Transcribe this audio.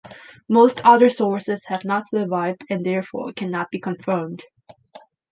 Most other sources have not survived and therefore cannot be confirmed.